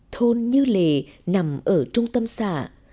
thôn như lề nằm ở trung tâm xã